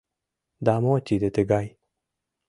Да мо тиде тыгай...